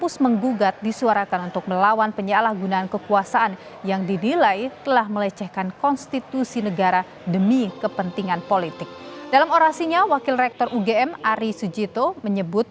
siapapun pemerintah itu akan tahu